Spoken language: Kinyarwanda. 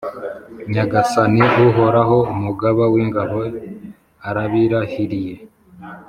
Nyagasani Uhoraho, Umugaba w’ingabo arabirahiriye.